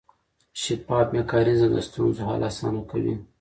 شفاف میکانیزم د ستونزو حل اسانه کوي.